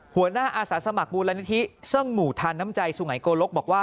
หัวหน้าอาสาสมัครบูรณนิษฐีเสริงหมู่ทาน้ำใจสุไหงโกลกบอกว่า